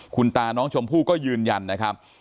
คุณตาน้องชมพู่ก็ยืนยันนะครับ